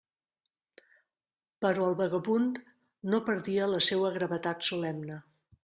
Però el vagabund no perdia la seua gravetat solemne.